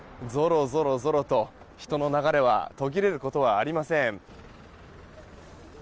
ぞろぞろと人の流れは途切れることはありません。